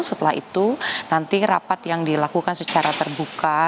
setelah itu nanti rapat yang dilakukan secara terbuka